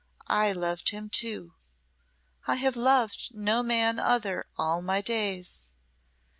I loved him too! I have loved no man other all my days.